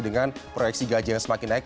dengan proyeksi gaji yang semakin naik